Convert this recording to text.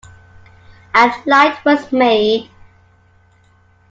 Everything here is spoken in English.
And light was made.